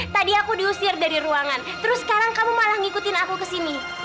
tadi aku diusir dari ruangan terus sekarang kamu malah ngikutin aku kesini